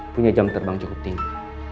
punya jam terbang cukup tinggi